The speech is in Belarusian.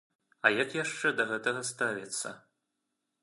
А як яшчэ да гэтага ставіцца?